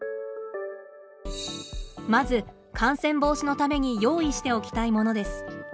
まず感染防止のために用意しておきたいものです。